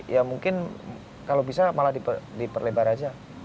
ya mungkin kalau bisa malah diperlebar aja